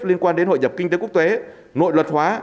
liên quan đến hội nhập kinh tế quốc tế nội luật hóa